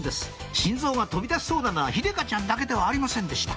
心臓が飛び出しそうなのは秀香ちゃんだけではありませんでした